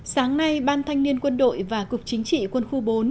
sáng nay ban thanh niên quân đội và cục chính trị quân khu bốn